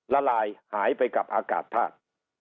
ละลายหายไปกับอากาศธาตุ